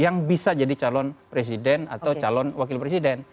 yang bisa jadi calon presiden atau calon wakil presiden